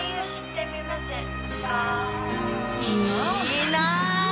いいなぁ。